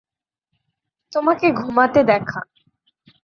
তোমাকে ঘুমাতে দেখা।